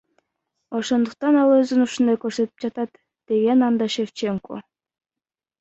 Ошондуктан ал өзүн ушундай көрсөтүп жатат, — деген анда Шевченко.